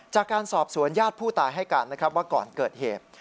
จากการสอบสวนญาติผู้ตายให้การนะครับว่าก่อนเกิดเหตุ